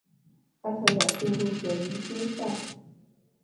他曾两度入选明星赛。